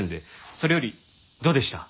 それよりどうでした？